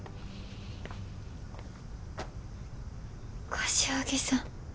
柏木さん。